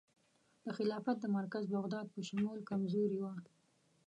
د خلافت د مرکز بغداد په شمول کمزوري وه.